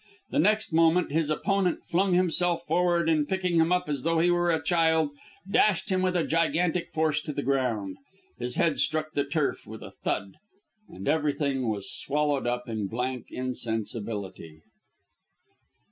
The next moment his opponent flung himself forward and, picking him up as though he were a child, dashed him with gigantic force to the ground. His head struck the turf with a thud, and everything was swallowed up in blank insensibility.